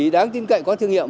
đáng tin cậy có thương hiệu